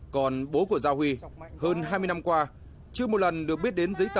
còn bố của giao huy hơn hai mươi năm qua chưa một lần được biết đến giấy tờ